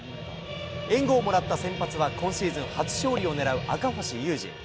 援護をもらった先発は、今シーズン初勝利を狙う赤星優志。